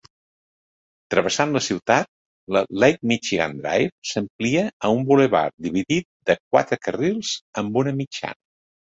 Travessant la ciutat, la Lake Michigan Drive s"amplia a un bulevard dividit de quatre carrils amb una mitjana.